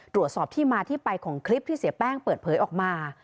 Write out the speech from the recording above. ตรวจสอบที่มาที่ไปของคลิปที่เสียแป้งเปิดเผยออกมา